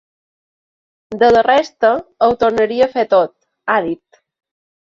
De la resta, ho tornaria a fer tot, ha dit.